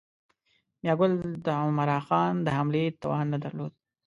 میاګل د عمرا خان د حملې توان نه درلود.